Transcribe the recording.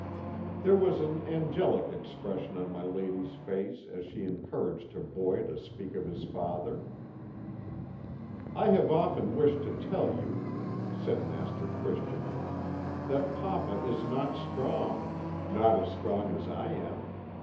"There was an angelic expression on my lady's face as she encouraged her boy to speak of his father. "'I have often wished to tell you,' said Master Christian, 'that papa is not strong not as strong as I am.